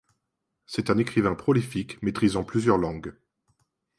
C'est un écrivain prolifique maîtrisant plusieurs langues.